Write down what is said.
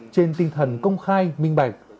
trên tinh thần công khai minh bạch